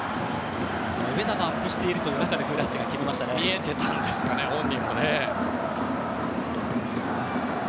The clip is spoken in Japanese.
上田がアップしている中で見えてたんですかね、本人もね。